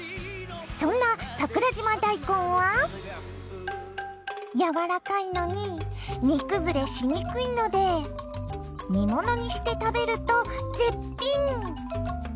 そんな桜島大根はやわらかいのに煮崩れしにくいので煮物にして食べると絶品！